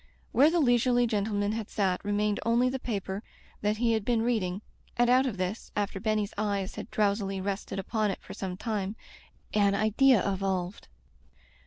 Where the leisurely gentleman had sat remained only the paper that he had been reading, and out of this, after Benny's eyes had drowsily rested upon it for some time, an idea evolved.